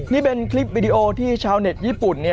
นี่เป็นคลิปวิดีโอที่ชาวเน็ตญี่ปุ่น